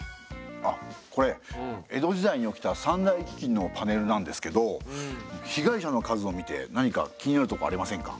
あっこれ江戸時代に起きた三大ききんのパネルなんですけど被害者の数を見て何か気になるとこありませんか？